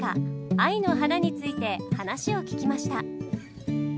「愛の花」について話を聞きました。